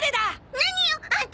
何よ？あんたたち！